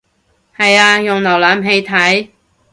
係啊用瀏覽器睇